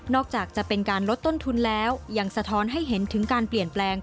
อกจากจะเป็นการลดต้นทุนแล้วยังสะท้อนให้เห็นถึงการเปลี่ยนแปลง